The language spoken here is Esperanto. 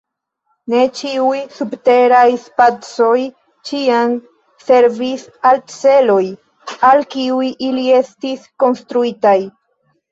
Ne ĉiuj subteraj spacoj ĉiam servis al celoj, al kiuj ili estis konstruitaj.